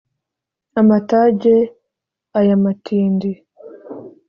amatage aya matindi